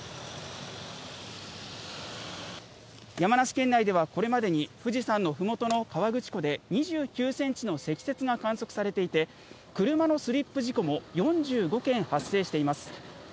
山梨県内ではこれまでに、富士山のふもとの河口湖で２９センチの積雪が観測されていて、車のスリップ事故も４５件発生しています。